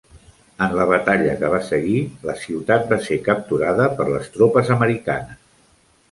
En la batalla que va seguir, la ciutat va ser capturada per les tropes americanes.